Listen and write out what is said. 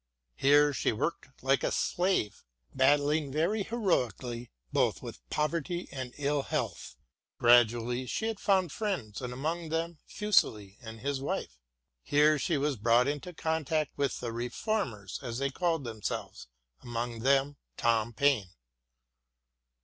Here she worked like a slave, battling very heroically both with poverty and ill health. Gradually she had found friends, and among them Fuseli and his wife. Here she was brought into contact with the Reformers as they called them selves, among them Tom Paine.